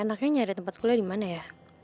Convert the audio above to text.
aduh enaknya nyari tempat kuliah dimana ya